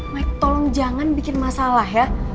mike tolong jangan bikin masalah ya